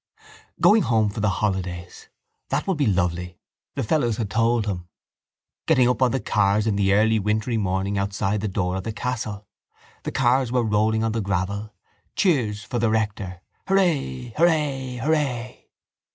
Going home for the holidays! That would be lovely: the fellows had told him. Getting up on the cars in the early wintry morning outside the door of the castle. The cars were rolling on the gravel. Cheers for the rector! Hurray! Hurray! Hurray!